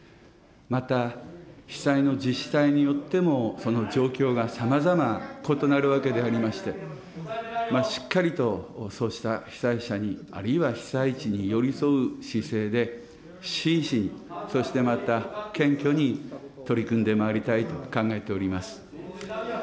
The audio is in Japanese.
また、被災の自治体によってもその状況がさまざま異なるわけでありまして、しっかりとそうした被災者にあるいは被災地に寄り添う姿勢で真摯に、そしてまた謙虚に取り組んでまいりたいと考えております。